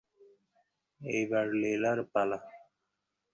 এইবার লীলার পালা।